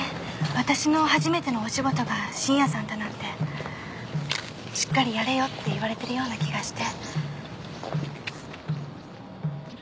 私の初めてのお仕事が信也さんだなんて「しっかりやれよ」って言われてるような気がして。